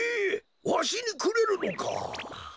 わしにくれるのか？